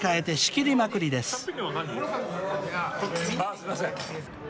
あっすいません。